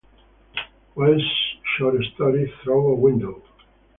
Wells' short story "Through a Window".